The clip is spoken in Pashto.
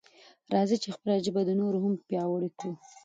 راځئ چې خپله ژبه نوره هم پیاوړې کړو.